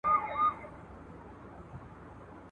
خلګ د واده د مصارفو لپاره حيران دي.